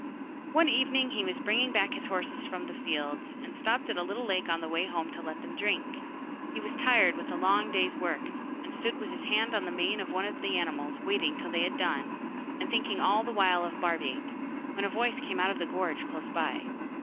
One evening he was bringing back his horses from the fields, and stopped at a little lake on the way home to let them drink. He was tired with a long day's work, and stood with his hand on the mane of one of the animals, waiting till they had done, and thinking all the while of Barbaik, when a voice came out of the gorse close by.